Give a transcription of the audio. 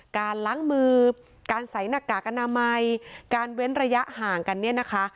การล้างมือการใส่หน้ากากอนามัยการเว้นระยะห่างกันเนี่ยนะคะ